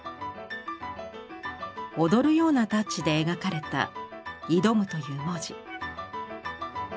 踊るようなタッチで描かれた「挑む」という文字。